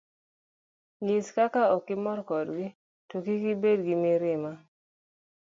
Nyis kaka okimor kodgi, to kik ibed gi mirima.